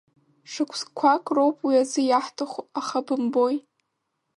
Шықәсқәак роуп уи азы иаҳҭаху, аха бымбои…